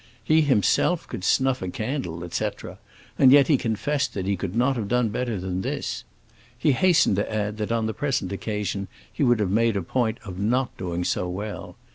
He himself could snuff a candle, etc., and yet he confessed that he could not have done better than this. He hastened to add that on the present occasion he would have made a point of not doing so well.